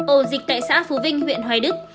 ổ dịch tại xã phú vinh huyện hoài đức